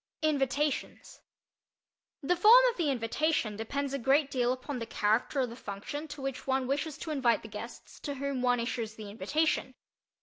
INVITATIONS The form of the invitation depends a great deal upon the character of the function to which one wishes to invite the guests to whom one issues the invitation.